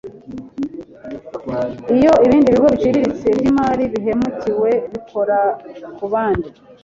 iyo ibindi bigo biciriritse by’imari bihemukiwe bikora kubandi